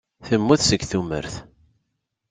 Temmut seg tumert.